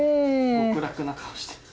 極楽な顔してる。